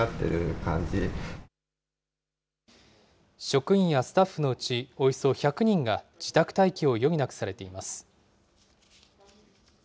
職員やスタッフのうち、およそ１００人が自宅待機を余儀なくされています。